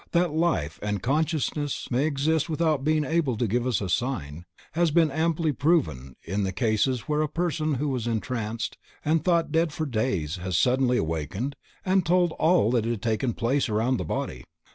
That life and consciousness may exist without being able to give us a sign, has been amply proven in the cases where a person who was entranced and thought dead for days has suddenly awakened and told all that had taken place around the body.